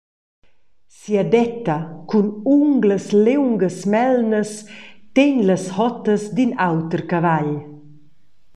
Sia detta cun unglas liungas melnas tegn las hottas d’in auter cavagl.